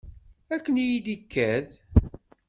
Akken i yi-d-ikad.